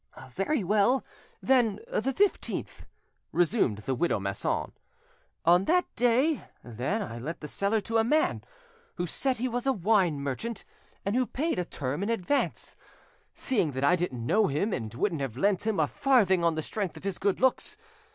"Very well, then, the 15th," resumed widow Masson. "On that day, then, I let the cellar to a man who said he was a wine merchant, and who paid a term in advance, seeing that I didn't know him, and wouldn't have lent him a farthing on the strength of his good looks.